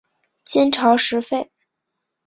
金朝时废。